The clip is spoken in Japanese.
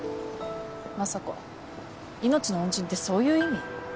まさか命の恩人ってそういう意味？